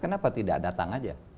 kenapa tidak datang saja